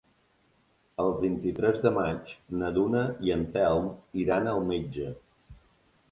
El vint-i-tres de maig na Duna i en Telm iran al metge.